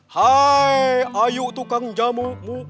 hai ayu tukang jamu